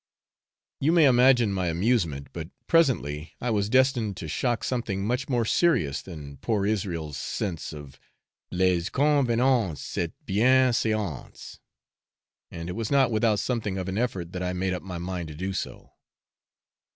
You may imagine my amusement, but presently I was destined to shock something much more serious than poor Israel's sense of les convénances et bienséances, and it was not without something of an effort that I made up my mind to do so.